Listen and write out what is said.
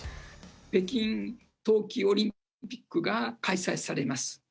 北京冬季オリンピックが開催されます。